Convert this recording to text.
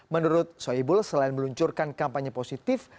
menurut soebul selain meluncurkan kampanye positif